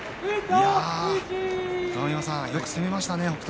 鏡山さん、よく攻めましたね北勝